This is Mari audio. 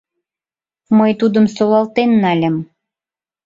Мый тудым солалтен нальым.